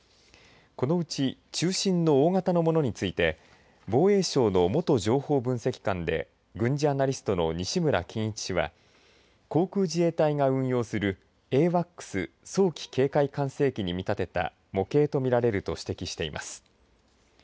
このうち中心の大型のものについて防衛省の元情報分析官で軍事アナリストの西村金一氏は航空自衛隊が運用するＡＷＡＣＳ早期警戒管制機に見立てた模型と見られると指摘しています。